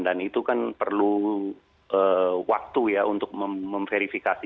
dan itu kan perlu waktu ya untuk memverifikasi